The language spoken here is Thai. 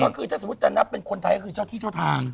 ก็คือถ้าสมมุติจะนับเป็นคนไทยก็คือเจ้าที่เจ้าทาง